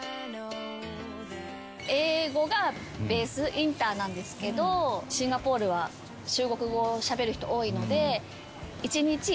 インターなんですけどシンガポールは中国語をしゃべる人多いので。